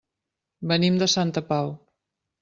Venim de Santa Pau.